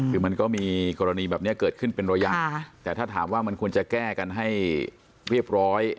คือมันก็มีกรณีแบบนี้เกิดขึ้นเป็นระยะแต่ถ้าถามว่ามันควรจะแก้กันให้เรียบร้อย